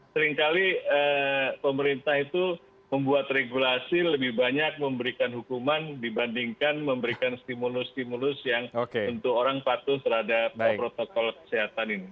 seringkali pemerintah itu membuat regulasi lebih banyak memberikan hukuman dibandingkan memberikan stimulus stimulus yang untuk orang patuh terhadap protokol kesehatan ini